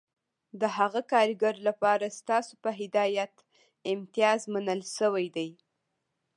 د هغه کارګر لپاره ستاسو په هدایت امتیاز منل شوی دی